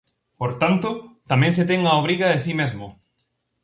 Por tanto, tamén se ten a obriga de si mesmo.